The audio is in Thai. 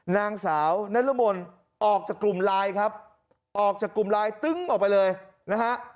นางสาวนรมนออกจากกลุ่มไลน์ครับออกจากกลุ่มไลน์ตึ้งออกไปเลยนะฮะ